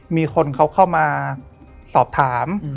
มีคนเขาเข้ามาสอบถาม